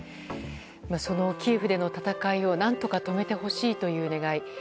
そのキエフでの戦いを何とか止めてほしいという願い。